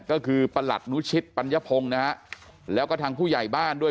ก็คือประหลัดนุชิตปัญญพงศ์นะฮะแล้วก็ทางผู้ใหญ่บ้านด้วย